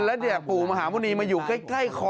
และที่อยากปู่มหาหมุนีมาอยู่ใกล้คอ